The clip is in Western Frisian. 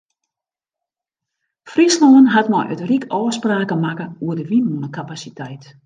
Fryslân hat mei it ryk ôfspraken makke oer de wynmûnekapasiteit.